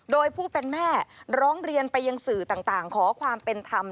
โดยผู้เป็นแม่ร้องเรียนไปยังสื่อต่างขอความเป็นธรรม